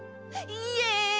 イエイ！